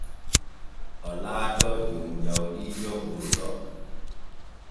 O laatoo jom jawdi ɓurɗo.